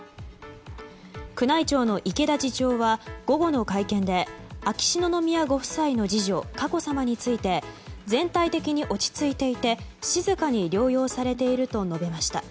宮内庁の池田次長は午後の会見で秋篠宮ご夫妻の次女佳子さまについて全体的に落ち着いていて静かに療養されていると述べました。